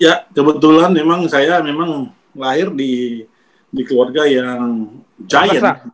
ya kebetulan memang saya memang lahir di keluarga yang cair